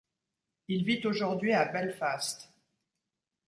Il vit aujourd'hui à Belfast.